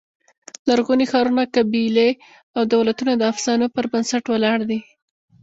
لرغوني ښارونه، قبیلې او دولتونه د افسانو پر بنسټ ولاړ دي.